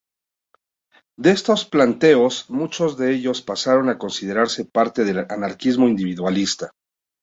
De estos planteos, muchos de ellos pasaron a considerarse parte del Anarquismo individualista.